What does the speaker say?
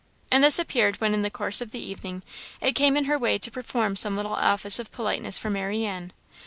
And this appeared when in the course of the evening it came in her way to perform some little office of politeness for Marianne.